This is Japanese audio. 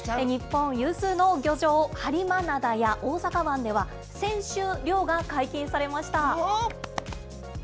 日本有数の漁場、播磨灘や大阪湾では、先週、漁が解禁されました。